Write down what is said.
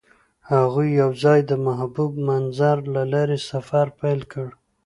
هغوی یوځای د محبوب منظر له لارې سفر پیل کړ.